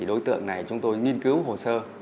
đối tượng này chúng tôi nghiên cứu hồ sơ